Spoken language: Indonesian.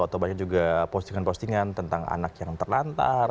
atau banyak juga postingan postingan tentang anak yang terlantar